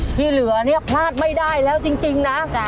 ที่เหลือเนี่ยพลาดไม่ได้แล้วจริงนะ